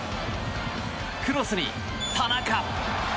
クロスに田中！